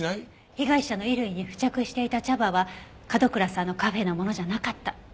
被害者の衣類に付着していた茶葉は角倉さんのカフェのものじゃなかった。